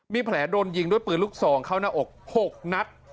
มีแผลโดนยิงด้วยปืนลูกซองเข้าหน้าอก๖นัด